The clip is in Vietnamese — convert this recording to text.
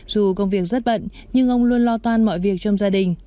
dù công việc rất bận nhưng ông luôn lo toan mọi việc trong gia đình